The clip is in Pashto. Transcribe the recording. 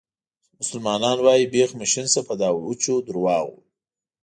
مسلمانان وایي بیخ مو شین شه په دا وچو درواغو.